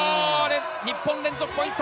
日本連続ポイント。